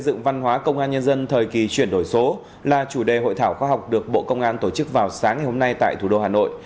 công an nhân dân thời kỳ chuyển đổi số là chủ đề hội thảo khoa học được bộ công an tổ chức vào sáng ngày hôm nay tại thủ đô hà nội